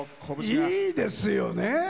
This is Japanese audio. いいですよね！